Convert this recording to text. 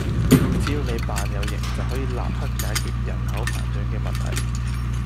只要你扮有型，就可以立刻解決人口膨脹嘅問題